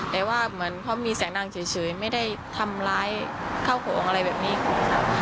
แต่ว่าเหมือนเขามีเสียงดังเฉยไม่ได้ทำร้ายข้าวของอะไรแบบนี้ของเขา